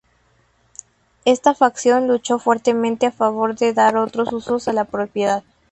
Esta facción luchó fuertemente a favor de dar otros usos a la propiedad.